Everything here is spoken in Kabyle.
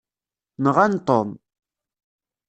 Nɣan Tom.